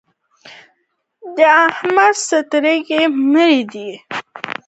د احمد سترګې مړې دي؛ د وږي کار نه کوي.